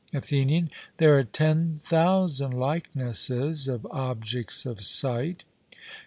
ATHENIAN: There are ten thousand likenesses of objects of sight?